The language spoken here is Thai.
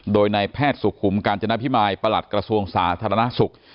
โดยนายแพทย์สุขุมกาญจนพิมายประหลัดกระทรวงสาธารณสุข